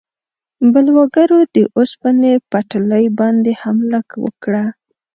بلواګرو د اوسپنې پټلۍ باندې حمله وکړه.